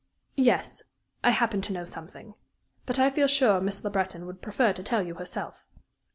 "Yes, I happen to know something. But I feel sure Miss Le Breton would prefer to tell you herself.